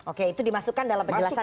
oke itu dimasukkan dalam penjelasannya ya